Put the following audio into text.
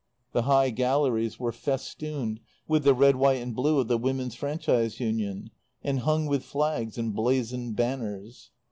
The high galleries were festooned with the red, white and blue of the Women's Franchise Union, and hung with flags and blazoned banners.